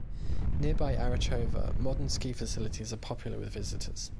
Nearby Arachova, modern ski facilities are popular with visitors.